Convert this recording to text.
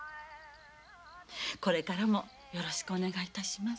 これからもよろしくお願いいたします。